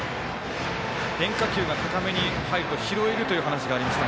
変化球が高めに入ると拾えるという話がありましたが。